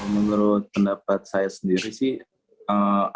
menurut pendapat saya sendiri sih